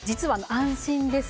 安心です？